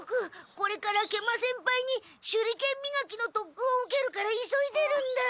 これから食満先輩に手裏剣みがきのとっくんを受けるから急いでるんだ。